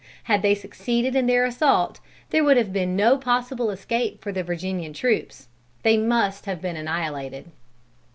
Had they succeeded in their assault, there would have been no possible escape for the Virginian troops. They must have been annihilated.